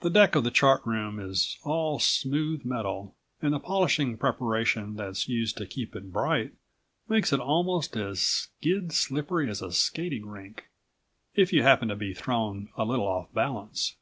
The deck of the Chart Room is all smooth metal, and the polishing preparation that's used to keep it bright makes it almost as skid slippery as a skating rink, if you happen to be thrown a little off balance.